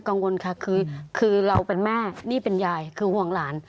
กังวลค่ะคือเราเป็นแม่นี่เป็นยายคือห่วงหลาน